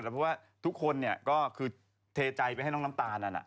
เพราะว่าทุกคนก็คือเทใจไปให้น้องน้ำตาลนั่น